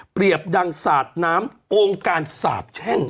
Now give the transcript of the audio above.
เปรียบดังสาดน้ำโกงการสาบแช่ง